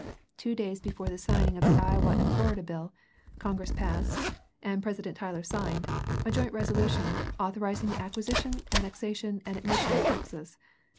Two days before the signing of the Iowa and Florida bill, Congress passed, and President Tyler signed, a joint resolution, authorizing the acquisition, annexation, and admission of Texas.